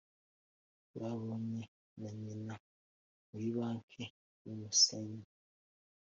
babanye na nyina muri banki yumusenyi,